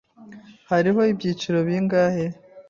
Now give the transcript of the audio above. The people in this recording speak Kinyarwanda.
Hariho ibyiciro bingahe?